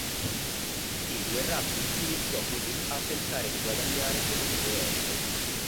Il Guerrazzi iniziò così a pensare di guadagnare con le sue opere.